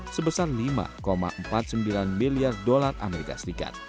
sebesar lima empat puluh sembilan miliar dolar as